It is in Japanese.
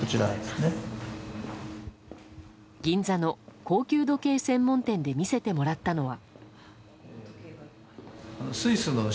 銀座の高級時計専門店で見せてもらったのは。